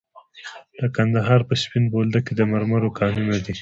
د کندهار په سپین بولدک کې د مرمرو کانونه دي.